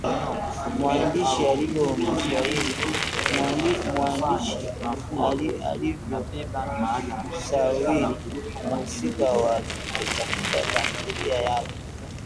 mwandishi alivyomsawiri mhusika wa kike katika tamthilia yake